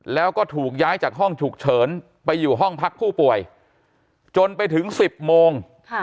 แล้วก็ถูกย้ายจากห้องฉุกเฉินไปอยู่ห้องพักผู้ป่วยจนไปถึง๑๐โมง